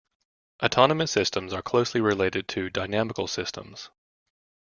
Autonomous systems are closely related to dynamical systems.